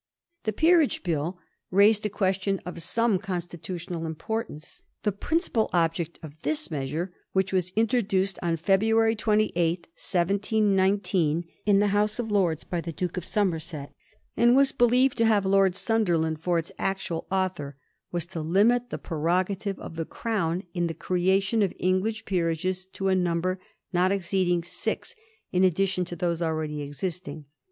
The Peerage Bill raised a question of some consti tutional importance. The principal object of thia measure, which was introduced on February 28th^ 1719, in the House of Lords, by the Duke of Somer set, and was believed to have Lord Sunderland for its actual author, was to limit the prerogative of the Crown in the creation of English peerages to a number not exceeding six in addition to those already existing.